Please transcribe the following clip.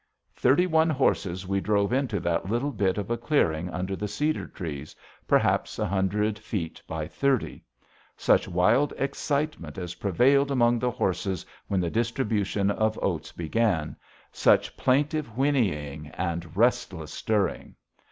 Thirty one horses we drove into that little bit of a clearing under the cedar trees, perhaps a hundred feet by thirty. Such wild excitement as prevailed among the horses when the distribution of oats began, such plaintive whinnying and restless stirring!